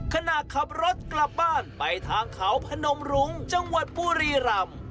ขณะขับรถกลับบ้านไปทางเขาพนมรุ้งจังหวัดบุรีรำ